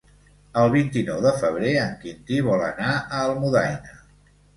El vint-i-nou de febrer en Quintí vol anar a Almudaina.